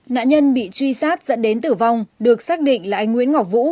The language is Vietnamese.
nạn nhân bị truy sát dẫn đến tử vong được xác định là anh nguyễn ngọc vũ